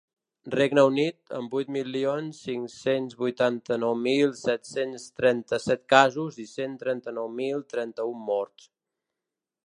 Regne Unit, amb vuit milions cinc-cents vuitanta-nou mil set-cents trenta-set casos i cent trenta-nou mil trenta-un morts.